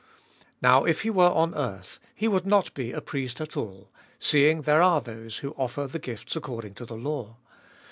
4. Now if he were on earth, he would not be a priest at all, seeing there are those who offer the gifts according to the law ; 5.